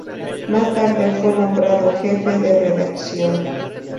Más tarde fue nombrado jefe de redacción.